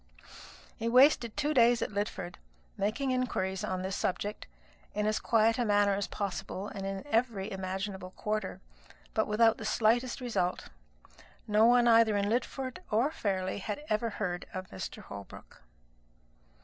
He wasted two days at Lidford, making inquiries on this subject, in as quiet a manner as possible and in every imaginable quarter; but without the slightest result. No one either at Lidford or Fairleigh had ever heard of Mr. Holbrook.